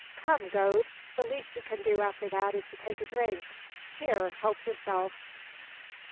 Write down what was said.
"Come, Gode! the least you can do after that is to take a drink. Here, help yourself!"